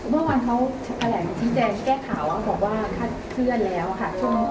เมื่อวานเขาแก้ข่าวว่าคาดเทื่อนแล้วค่ะ